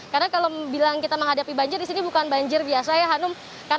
karena kalau bilang kita menghadapi banjir disini bukan banjir biasa ya hanum